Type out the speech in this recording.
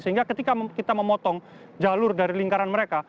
sehingga ketika kita memotong jalur dari lingkaran mereka